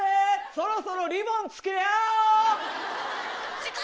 そろそろリボン着けや！